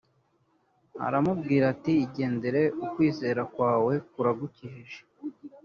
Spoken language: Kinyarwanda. aramubwira ati igendere ukwizera kwawe kuragukijije